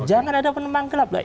jangan ada penumpang gelap